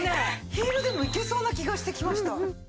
ヒールでもいけそうな気がしてきました。